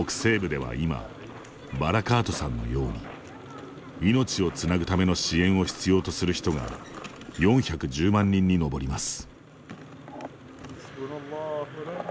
北西部では今バラカートさんのように命をつなぐための支援を必要とする人が４１０万人に上ります。